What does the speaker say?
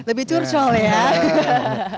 lebih curcol ya